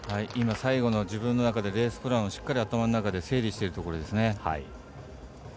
最後の自分の中でレースプランをしっかりと頭の中で整理しているところですね。